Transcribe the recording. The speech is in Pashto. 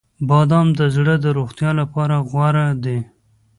• بادام د زړه د روغتیا لپاره غوره دي.